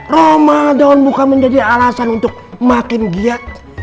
ramadan bukan menjadi alasan untuk makin giat